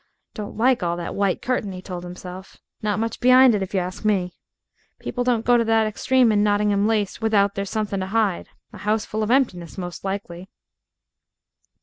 "Don't like all that white curtain," he told himself; "not much be'ind it, if you ask me. People don't go to that extreme in Nottingham lace without there's something to hide a house full of emptiness, most likely."